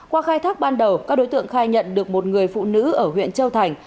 qua khai thác ban đầu các đối tượng khai nhận được một người phụ nữ ở huyện châu thành